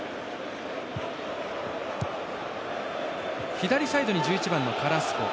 左サイド、１１番のカラスコ。